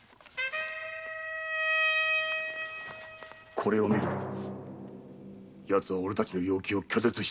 これを見ろヤツはおれたちの要求を拒絶した。